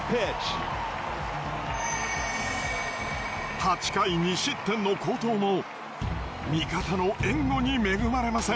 ８回２失点の好投も味方の援護に恵まれません。